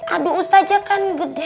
aduh ustazah kan gede